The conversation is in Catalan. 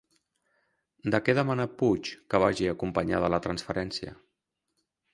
De què demana Puig que vagi acompanyada la transferència?